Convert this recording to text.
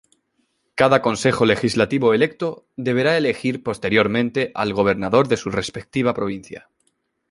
Cada Consejo Legislativo electo deberá elegir posteriormente al Gobernador de su respectiva provincia.